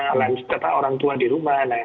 alang setata orang tua di rumah